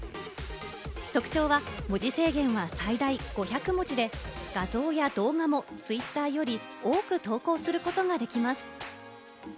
特徴は文字制限は最大５００文字で、画像や動画もツイッターより多く投稿することができます。